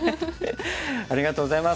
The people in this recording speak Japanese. ありがとうございます。